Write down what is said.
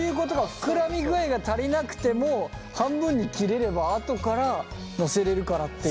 ふくらみ具合が足りなくても半分に切れればあとから載せれるからっていう。